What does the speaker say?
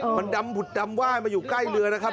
มันดำผุดดำไหว้มาอยู่ใกล้เรือนะครับ